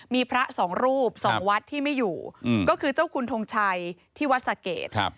มีพระสองรูปสองวัดที่ไม่อยู่ก็คือเจ้าคุณทงชัยที่วัดสะเกด